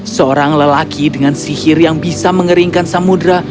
seorang lelaki dengan sihir yang bisa mengeringkan samudera